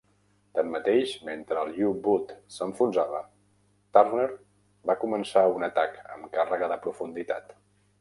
Tanmateix, mentre el U-boot s'enfonsava, "Turner" va començar un atac amb càrrega de profunditat.